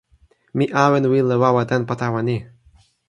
mi awen wile wawa tenpo tawa ni.